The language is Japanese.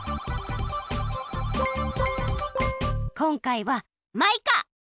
こんかいはマイカ！